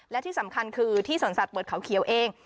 และที่สำคัญคือที่สวนสัตว์เปิดเขาเขียวเอง